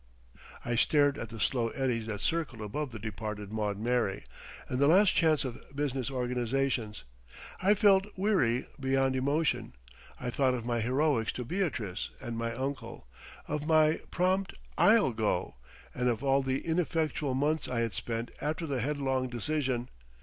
I stared at the slow eddies that circled above the departed Maud Mary, and the last chance of Business Organisations. I felt weary beyond emotion. I thought of my heroics to Beatrice and my uncle, of my prompt "I'll go," and of all the ineffectual months I had spent after this headlong decision.